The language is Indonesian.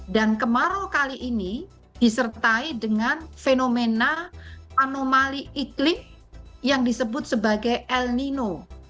dan kemarau kali ini disertai dengan fenomena anomali iklim yang disebut sebagai el nino